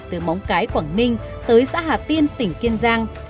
từ móng cái quảng ninh tới xã hà tiên tỉnh kiên giang